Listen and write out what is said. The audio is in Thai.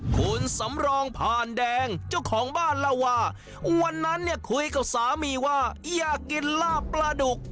คุณสำรองผ่านแดงเจ้าของบ้านเล่าว่าวันนั้นเนี่ยคุยกับสามีว่าอยากกินลาบปลาดุก